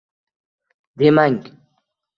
Demang